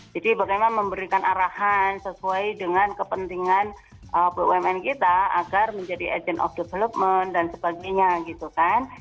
jadi bagaimana memberikan arahan sesuai dengan kepentingan bumn kita agar menjadi agent of development dan sebagainya gitu kan